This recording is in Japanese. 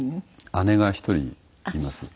姉が１人います。